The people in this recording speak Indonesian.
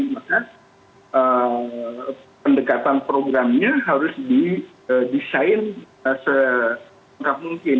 maka pendekatan programnya harus didesain sengkap mungkin